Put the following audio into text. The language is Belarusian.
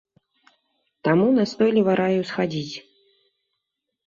Таму настойліва раю схадзіць.